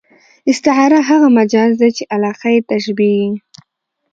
استعاره هغه مجاز دئ، چي علاقه ئې تشبېه يي.